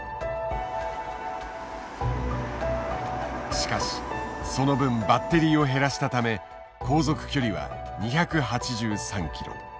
しかしその分バッテリーを減らしたため航続距離は２８３ｋｍ。